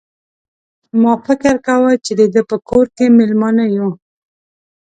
ما فکر کاوه چې د ده په کور کې مېلمانه یو.